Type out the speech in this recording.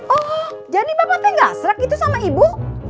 oh jadi bapak teh gak serak itu sama ibu